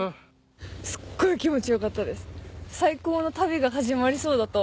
・すっごい気持ち良かったです。